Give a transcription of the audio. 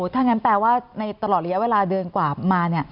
ถ้าอย่างนั้นแปลว่าในตลอดละเยอะเวลาเดินกว่ามา